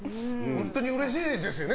本当にうれしいですよね。